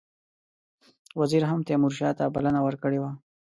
وزیر هم تیمورشاه ته بلنه ورکړې وه.